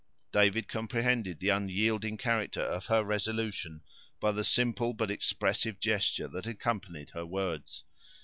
David comprehended the unyielding character of her resolution, by the simple but expressive gesture that accompanied her words.